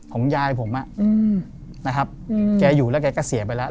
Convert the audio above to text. ของยายผมนะครับแกอยู่แล้วแกก็เสียไปแล้ว